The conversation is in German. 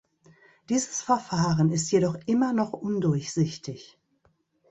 Dieses Verfahren ist jedoch immer noch undurchsichtig.